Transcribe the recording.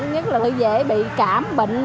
nhất là thử dễ bị cảm bệnh